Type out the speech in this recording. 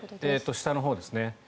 下のほうですね。